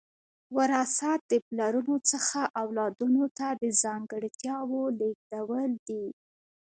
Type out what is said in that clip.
وراثت د پلرونو څخه اولادونو ته د ځانګړتیاوو لیږدول دي